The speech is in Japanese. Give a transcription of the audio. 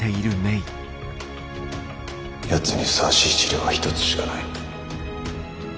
やつにふさわしい治療は一つしかない。